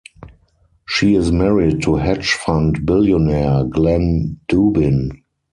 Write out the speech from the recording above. She is married to hedge fund billionaire Glenn Dubin.